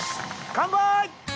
乾杯！